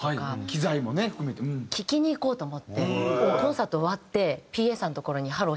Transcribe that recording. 聞きに行こうと思ってコンサート終わってＰＡさんのところに「ハロー！」